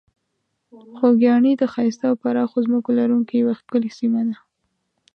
خوږیاڼي د ښایسته او پراخو ځمکو لرونکې یوه ښکلې سیمه ده.